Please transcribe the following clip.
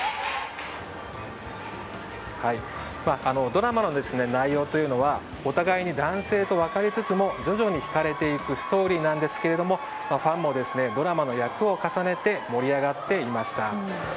ドラマの内容というのはお互いに男性と分かりつつも徐々にひかれていくストーリーなんですけどもファンもドラマの役を重ねて盛り上がっていました。